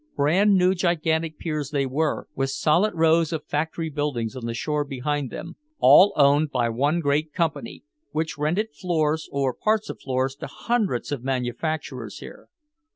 Brand new gigantic piers they were, with solid rows of factory buildings on the shore behind them, all owned by one great company, which rented floors or parts of floors to hundreds of manufacturers here.